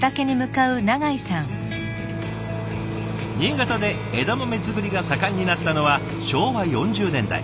新潟で枝豆作りが盛んになったのは昭和４０年代。